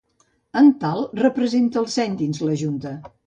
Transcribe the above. En tal representa el seny dins la junta.